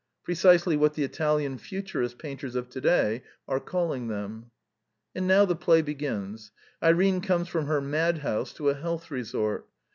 Precisely what the Italian Futurist painters of today are calling them. And now the play begins. Irene comes from her madhouse to a " health resort."